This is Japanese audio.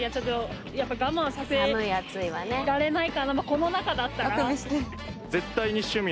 この中だったら。